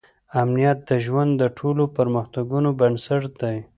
امنیت د ژوند د ټولو پرمختګونو بنسټ دی.